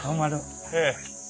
ええ。